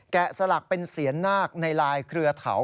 แกะสลักเป็นเสียนหน้าในลายเครือเทา